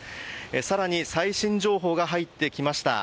更に最新情報が入ってきました。